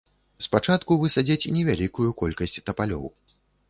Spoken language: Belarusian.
Спачатку высадзяць невялікую колькасць тапалёў.